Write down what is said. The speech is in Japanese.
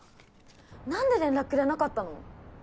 なんで連絡くれなかったの？